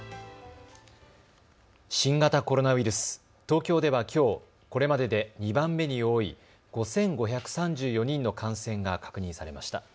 新型コロナウイルス、東京ではきょうこれまでで２番目に多い５５３４人の感染が確認されました。